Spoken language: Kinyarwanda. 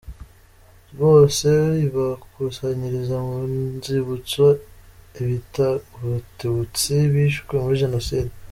Bose ibakusanyiriza mu nzibutso ibita Abatutsi bishwe muri Jenoside.